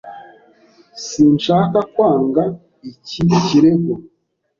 Sinshaka kwanga iki kirego.